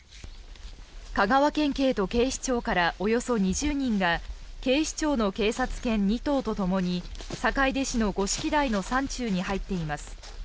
香川県警と警視庁からおよそ２０人が警視庁の警察犬２頭とともに坂出市の五色台の山中に入っています。